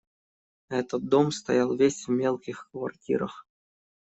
Этот дом стоял весь в мелких квартирах.